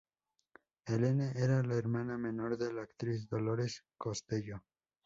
Helene era la hermana menor de la actriz Dolores Costello.